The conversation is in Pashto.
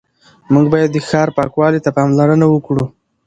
موږ باید د ښار پاکوالي ته پاملرنه وکړو